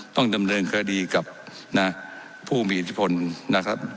ต้องเติมเริ่มความดีกับนะครับผู้มีอิทธิพลนะครับ